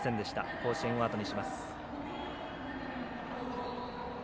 甲子園をあとにします。